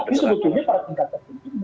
tapi sebetulnya pada tingkat tertentu